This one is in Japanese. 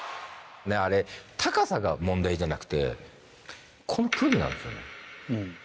あれ高さが問題じゃなくてこの距離なんですよね。